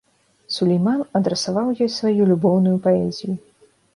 Сулейман адрасаваў ёй сваю любоўную паэзію.